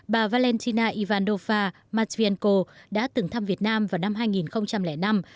bà valentina ivanova matvienko đã từng thăm việt nam vào năm hai nghìn năm